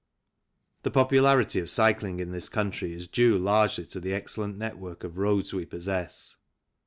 The popularity of cycling in this country is due largely to the excellent network of roads we possess.